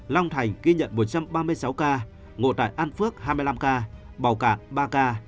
long thành ghi nhận một trăm ba mươi sáu ca ngộ tại an phước hai mươi năm ca bào cả ba ca